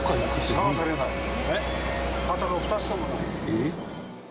「えっ？」